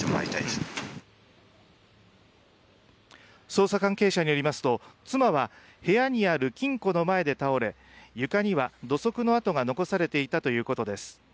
捜査関係者によりますと妻は、部屋にある金庫の前で倒れ床には土足の跡が残されていたということです。